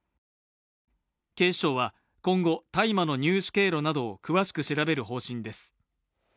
警視庁は今後、大麻の入手経路などを詳しく調べる方針です。